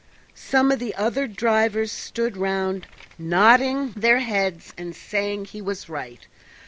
Some of the other drivers stood round nodding their heads and saying he was right.